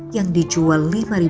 yang berhasil dijual lima rupiah